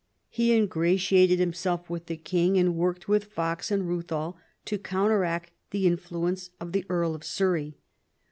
He ingratiated himself with the king, and worked with Fox and Euthal to counteract the in fluence of the Earl of Surrey.